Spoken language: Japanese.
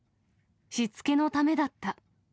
しつけのためだった。